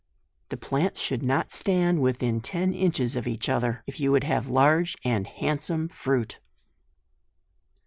The plants should not stand within ten inches of each other, if you would have large and handsome fruit.